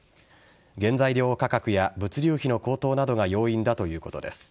原材料価格や物流費の高騰などが要因だということです。